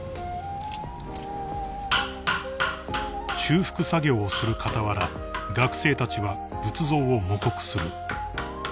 ［修復作業をする傍ら学生たちは仏像を模刻する］